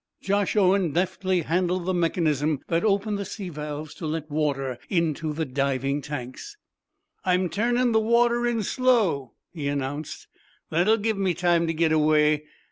Josh Owen deftly handled the mechanism that opened the sea valves to let water into the diving tanks. "I'm turnin' the water in slow," he announced. "That'll give me time to git away.